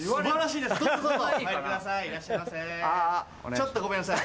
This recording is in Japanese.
ちょっとごめんなさい。